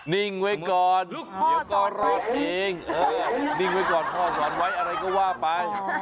นิ่งไว้ก่อนพ่อสอนไว้พ่อสอนไว้อะไรก็ว่าป้าย